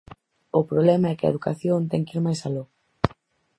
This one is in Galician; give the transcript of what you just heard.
O problema é que a educación ten que ir máis aló.